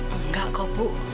enggak kok bu